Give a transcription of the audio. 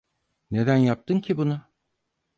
Neden yaptın ki bunu?